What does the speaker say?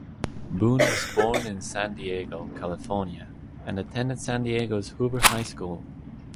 Boone was born in San Diego, California, and attended San Diego's Hoover High School.